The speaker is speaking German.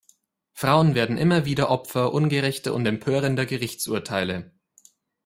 Frauen werden immer wieder Opfer ungerechter und empörender Gerichtsurteile.